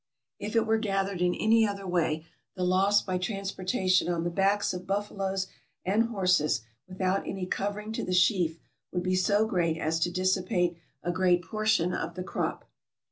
If it were gathered in any other way, the loss by transporta tion on the backs of buffaloes and horses, without any cov ering to the sheaf, would be so great as to dissipate a great portion of the crop.